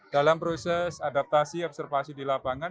dalam proses adaptasi observasi di lapangan